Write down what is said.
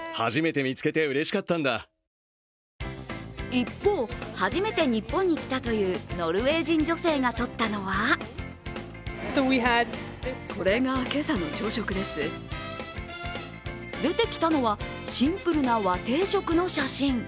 一方、初めて日本に来たというノルウェー人女性が撮ったのは出てきたのはシンプルな和定食の写真。